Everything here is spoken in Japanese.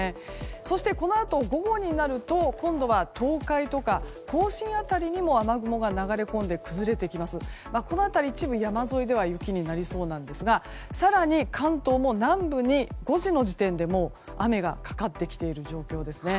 そして、このあと午後になると今度は東海とか甲信辺りにも雨雲が流れ込んで崩れてきて、一部山沿いでは雪になりそうですが更に関東も南部に５時の時点で雨がかかってきている状況です。